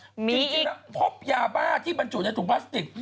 จริงแล้วพบยาบ้าที่บรรจุในถุงพลาสติก